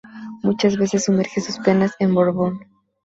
Muchas veces sumerge sus penas en Bourbon.